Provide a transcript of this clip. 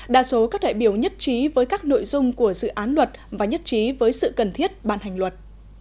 đa số các đại biểu nhất trí với các nội dung của dự án luật và nhất trí với sự cần thiết ban hành luật